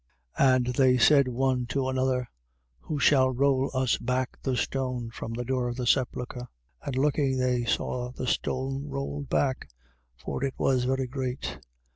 And they said one to another: Who shall roll us back the stone from the door of the sepulchre? 16:4. And looking, they saw the stone rolled back. For it was very great.